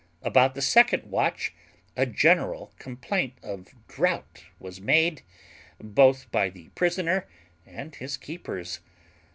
About the second watch a general complaint of drought was made, both by the prisoner and his keepers.